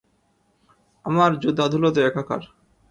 আমার জুতা ধুলোতে একাকার।